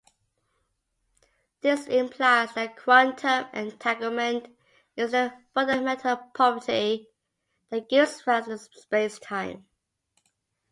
This implies that quantum entanglement is the fundamental property that gives rise to spacetime.